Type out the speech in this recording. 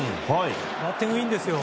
バッティングうまいんですよ。